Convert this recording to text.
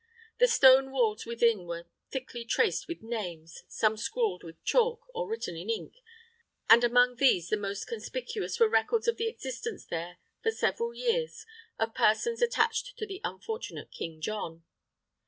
The stone walls within were thickly traced with names, some scrawled with chalk, or written in ink; and among these the most conspicuous were records of the existence there for several years of persons attached to the unfortunate King John.